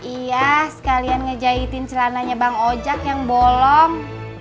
iya sekalian ngejahitin celananya bang ojak yang bolong